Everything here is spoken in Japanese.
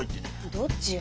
どっちよ？